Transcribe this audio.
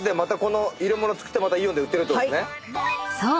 ［そう。